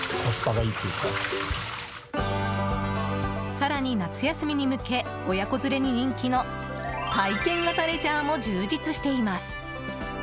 更に、夏休みに向け親子連れに人気の体験型レジャーも充実しています。